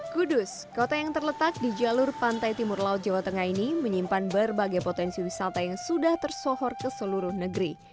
kudus kota yang terletak di jalur pantai timur laut jawa tengah ini menyimpan berbagai potensi wisata yang sudah tersohor ke seluruh negeri